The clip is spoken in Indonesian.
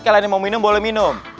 kalian yang mau minum boleh minum